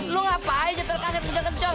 lo ngapain aja terkasih penceng kenceng